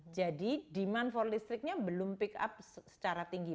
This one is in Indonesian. jadi demand for listriknya belum pick up secara tinggi